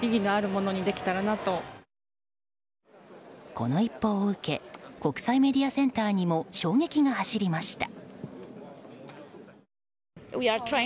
この一報を受け国際メディアセンターにも衝撃が走りました。